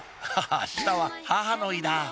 あしたは「母の日」だ！